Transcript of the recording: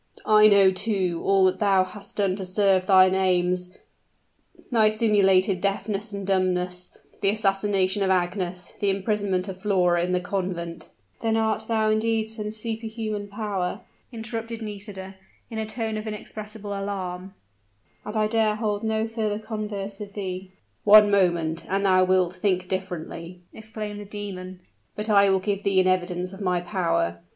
I know, too, all that thou hast done to serve thine aims thy simulated deafness and dumbness the assassination of Agnes the imprisonment of Flora in the convent " "Then art thou indeed some superhuman power," interrupted Nisida, in a tone of inexpressible alarm; "and I dare hold no further converse with thee." "One moment and thou wilt think differently!" exclaimed the demon. "But I will give thee an evidence of my power.